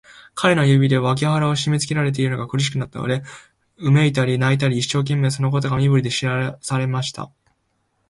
彼の指で、脇腹をしめつけられているのが苦しくなったので、うめいたり、泣いたりして、一生懸命、そのことを身振りで知らせました。